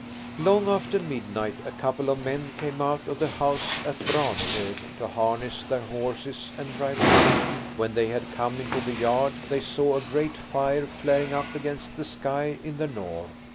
IV Long after midnight a couple of men came out of the house at Branehog to harness their horses and drive home. When they had come into the yard they saw a great fire flaring up against the sky in the north.